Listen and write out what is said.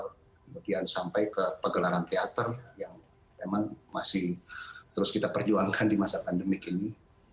kemudian sampai ke pegelaran teater yang memang masih terus kita perjuangkan di masa pandemik ini